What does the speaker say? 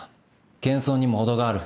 謙遜にも程がある。